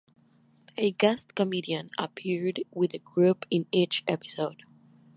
A guest comedian appeared with the group in each episode.